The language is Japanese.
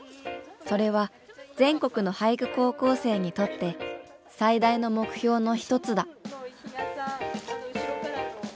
それは全国の俳句高校生にとって最大の目標の一つだ。